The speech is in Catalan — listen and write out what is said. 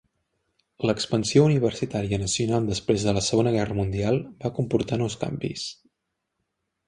L'expansió universitària nacional després de la Segona Guerra Mundial va comportar nous canvis.